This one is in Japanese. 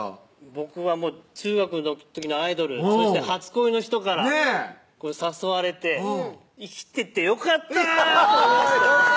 僕は中学の時のアイドルそして初恋の人から誘われて生きててよかった！と思いましたよ